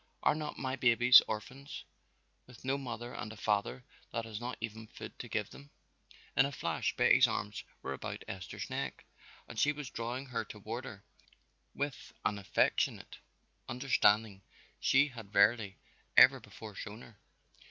Are not my babies orphans, with no mother and a father that has not even food to give them?" In a flash Betty's arms were about Esther's neck and she was drawing her toward her with an affectionate understanding she had rarely ever before shown her.